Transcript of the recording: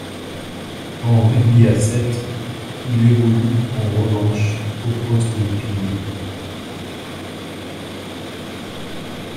En rugby à sept, il évolue en revanche au poste de pilier.